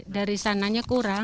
dari sananya kurang